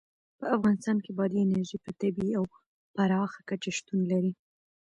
په افغانستان کې بادي انرژي په طبیعي او پراخه کچه شتون لري.